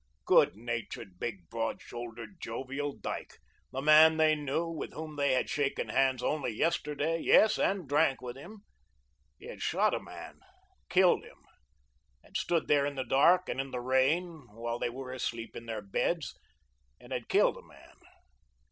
Good natured, big, broad shouldered, jovial Dyke, the man they knew, with whom they had shaken hands only yesterday, yes, and drank with him. He had shot a man, killed him, had stood there in the dark and in the rain while they were asleep in their beds, and had killed a man.